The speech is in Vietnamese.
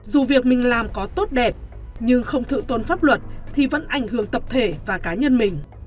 dù việc mình làm có tốt đẹp nhưng không thượng tôn pháp luật thì vẫn ảnh hưởng tập thể và cá nhân mình